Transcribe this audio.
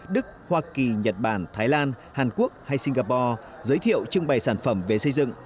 đức hoa kỳ nhật bản thái lan hàn quốc hay singapore giới thiệu trưng bày sản phẩm về xây dựng